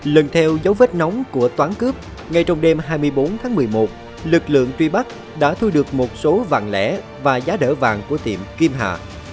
lần theo dấu vết nóng của toán cướp ngay trong đêm hai mươi bốn tháng một mươi một lực lượng truy bắt đã thu được một số vàng lẻ và giá đỡ vàng của tiệm kim hà